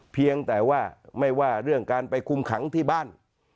เพียงแต่ว่าไม่ว่าเรื่องการไปคุมขังที่บ้าน